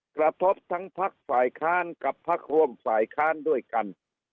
กระทบทั้งพักฝ่ายค้านกับพักร่วมฝ่ายค้านด้วยกัน